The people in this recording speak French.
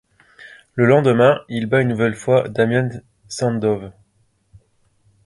Le lendemain, il bat une nouvelle fois Damien Sandow.